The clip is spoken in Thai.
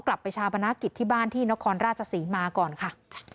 ไปชาปนากิจที่บ้านที่นครราชศรีมาก่อนค่ะ